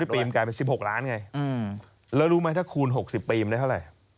ปีมันกลายเป็น๑๖ล้านไงแล้วรู้ไหมถ้าคูณ๖๐ปีมันได้เท่าไหร่